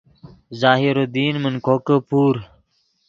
ظاہر الدین من کوکے پور